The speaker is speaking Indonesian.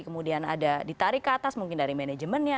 kemudian ada ditarik ke atas mungkin dari manajemennya